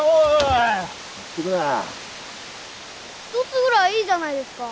１つぐらいいいじゃないですか。